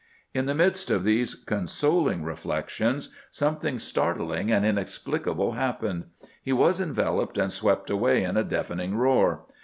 In the midst of these consoling reflections something startling and inexplicable happened. He was enveloped and swept away in a deafening roar.